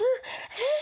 えっ？